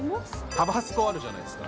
タバスコあるじゃないですか。